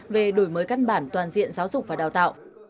về đổi mới căn bản toàn diện giáo dục và đào tạo